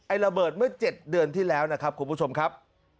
ระเบิดเมื่อ๗เดือนที่แล้วนะครับคุณผู้ชมครับ